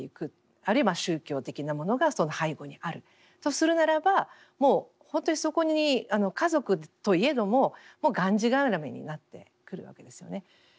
あるいは宗教的なものがその背後にあるとするならばもうほんとにそこに家族といえどもがんじがらめになってくるわけですよね。